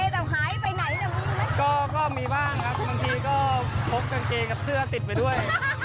แต่หายไปไหนอู๋ย